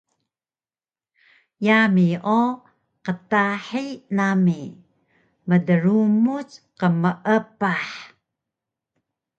Yami o qtahi nami mdrumuc qmeepah